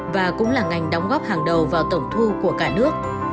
và cũng là ngành đóng góp hàng đầu vào tổng thu của cả nước